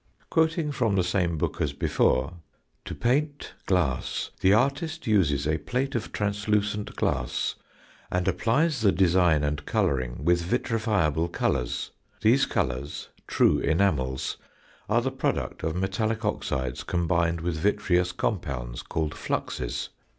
Quoting from the same book as before "To paint glass the artist uses a plate of translucent glass, and applies the design and colouring with vitrifiable colours. These colours, true enamels, are the product of metallic oxides combined with vitreous compounds called fluxes.